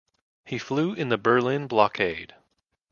He flew in the Berlin Blockade.